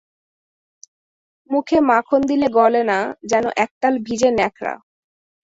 মুখে মাখন দিলে গলে না, যেন একতাল ভিজে ন্যাকড়া।